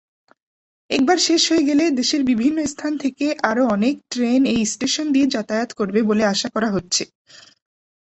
একবার শেষ হয়ে গেলে, দেশের বিভিন্ন স্থান থেকে আরও অনেক ট্রেন এই স্টেশন দিয়ে যাতায়াত করবে বলে আশা করা হচ্ছে।